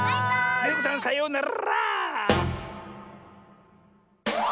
デテコさんさようなら！